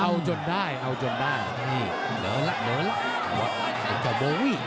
เอาจนได้เอาจนได้เดี๋ยวแล้วเดี๋ยวแล้ว